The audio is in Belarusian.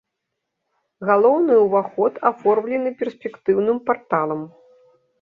Галоўны ўваход аформлены перспектыўным парталам.